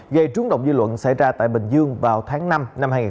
gây trúng động dư luận xảy ra tại bình dương vào tháng năm năm hai nghìn một mươi chín